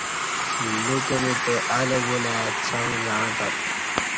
لوکہ می تہ الہ بولای څݣ زعں تت